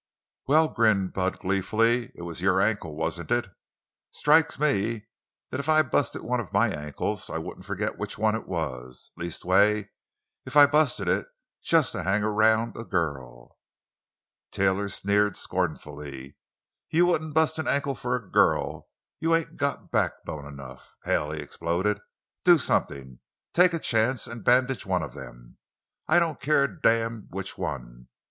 "Well," grinned Bud gleefully, "it was your ankle, wasn't it? Strikes me that if I busted one of my ankles I wouldn't forget which one it was! Leastways, if I'd busted it just to hang around a girl!" Taylor sneered scornfully. "You wouldn't bust an ankle for a girl—you ain't got backbone enough. Hell!" he exploded; "do something! Take a chance and bandage one of them—I don't care a damn which one!